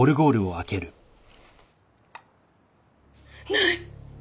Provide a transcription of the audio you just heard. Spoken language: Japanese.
ない！